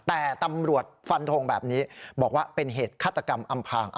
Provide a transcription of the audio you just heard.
แต่ตำรวจฟันทงแบบนี้บอกว่าเป็นเหตุฆาตกรรมอำพาง